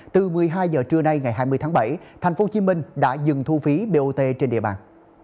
từ một mươi hai h trưa nay ngày hai mươi tháng bảy tp hcm đã dừng thu phí bot trên địa bàn